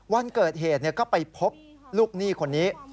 วันเกิดเหตุก็ไปพบลูกหนี้คนนี้